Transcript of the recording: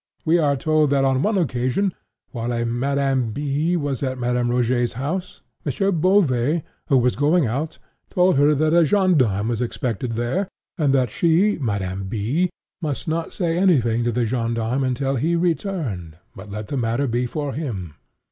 We are told that on one occasion, while a Madame B—— was at Madame Rogêt's house, M. Beauvais, who was going out, told her that a gendarme was expected there, and she, Madame B., must not say anything to the gendarme until he returned, but let the matter be for him....